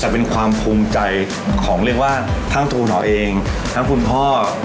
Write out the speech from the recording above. แต่เป็นความภูมิใจของเรียกว่าทั้งทูหนอเองทั้งคุณพ่อ